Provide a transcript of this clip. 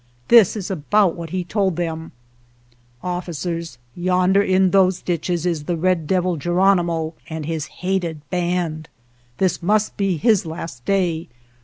This is about what he told them: "Officers, yonder in those ditches is the red devil Geronimo and his hated band. This must be his last day.